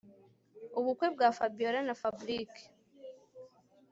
ubukwe bwa Fabiora na Fabric